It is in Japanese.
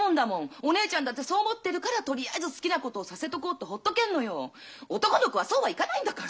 お姉ちゃんだってそう思ってるからとりあえず好きなことをさせとこうってほっとけんのよ。男の子はそうはいかないんだから！